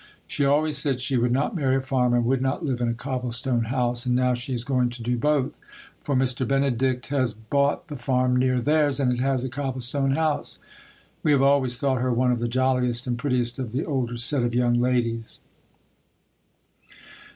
She always said she would not marry a farmer and would not live in a cobblestone house and now she is going to do both, for Mr. Benedict has bought the farm near theirs and it has a cobblestone house. We have always thought her one of the jolliest and prettiest of the older set of young ladies.